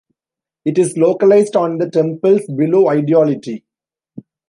It is localized on the temples, below ideality.